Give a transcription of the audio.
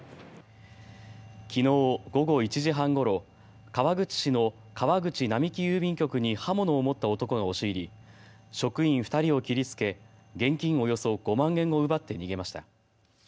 きのう午後１時半ごろ川口市の川口並木郵便局に刃物を持った男が押し入り職員２人を切りつけ、現金およそ５万円を奪って逃げました。